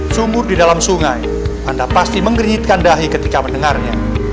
sumur di dalam sungai anda pasti menggeritkan dahi ketika mendengarnya